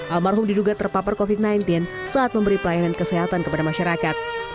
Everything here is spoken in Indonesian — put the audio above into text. almarhum diduga terpapar covid sembilan belas saat memberi pelayanan kesehatan kepada masyarakat